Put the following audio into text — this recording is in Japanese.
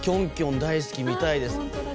大好き見たいです。